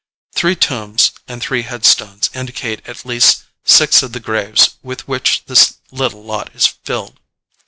Three tombs and three headstones indicate at least six of the graves with which this little lot is filled.